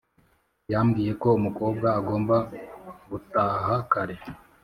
Yambwiye ko umukobwa agomba gutaha kare.